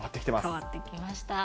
変わってきました。